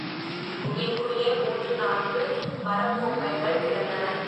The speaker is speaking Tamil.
குகைக்குள்ளே மூன்று, நான்கு மரப்பொம்மைகள் கிடந்தன.